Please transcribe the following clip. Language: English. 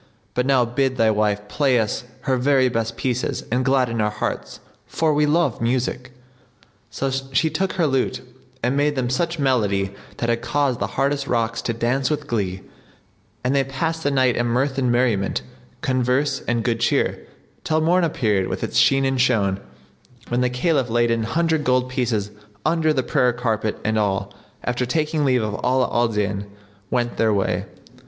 But now bid thy wife play us her very best pieces and gladden our hearts for we love music." So she took her lute and made them such melody that had caused the hardest rocks to dance with glee; and they passed the night in mirth and merriment, converse and good cheer, till morn appeared with its sheen and shone, when the Caliph laid an hundred gold pieces under the prayer carpet and all, after taking leave of Ala al Din, went their way.